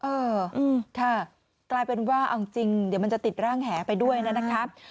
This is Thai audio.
เออค่ะกลายเป็นว่าเอาจริงเดี๋ยวมันจะติดร่างแหไปด้วยนะครับ